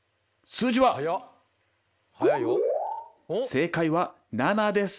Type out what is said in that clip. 「正解は７です。